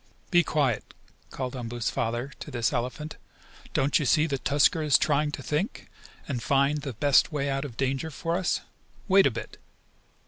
"Be quiet!" called Umboo's father to this elephant. "Don't you see that Tusker is trying to think, and find the best way out of danger for us. Wait a bit."